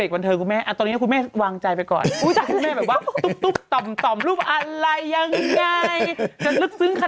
เอาเลยคุณแม่จะตีกันอยู่อาชีพอาชีพตีกันอยู่